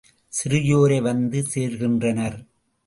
சிறியோரே வந்து சேர்கின்றனர்.